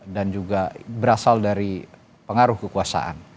dan juga berasal dari pengaruh kekuasaan